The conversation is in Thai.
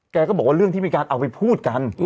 ก็บอกว่าเรื่องที่มีการเอาไปพูดกัน